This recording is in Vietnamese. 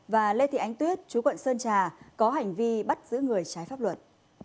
và lê thị ánh tuyết chú quận sơn trà có hành vi bắt giữ người trái pháp luật